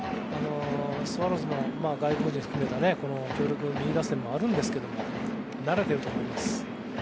スワローズの外国人も含めて強力右打線もあるんですけど慣れてると思います。